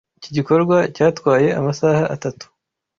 Iki gikorwa cyatwaye amasaha atatu.